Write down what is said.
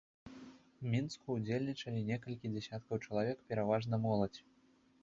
Мінску ўдзельнічалі некалькі дзесяткаў чалавек, пераважна моладзь.